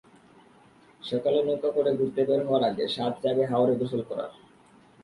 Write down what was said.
সকালে নৌকা করে ঘুরতে বের হওয়ার আগে সাধ জাগে হাওরে গোসল করার।